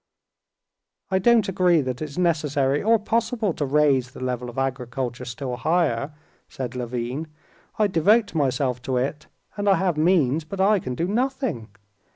"I don't agree that it's necessary or possible to raise the level of agriculture still higher," said Levin. "I devote myself to it, and I have means, but I can do nothing.